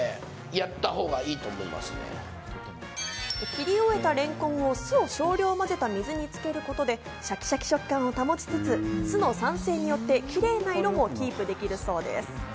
切り終えたれんこんを酢で少量まぜた水につけることでシャキシャキ食感を保ちつつ、酢の酸性によってキレイな色もキープできるそうです。